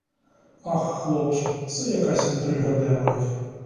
Ах, хлопче, це якась інтрига демонів!